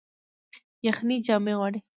یخني جامې غواړي